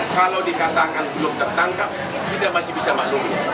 kalau dikatakan belum tertangkap kita masih bisa maklumi